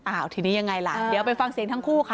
ทีนี้ยังไงล่ะเดี๋ยวไปฟังเสียงทั้งคู่ค่ะ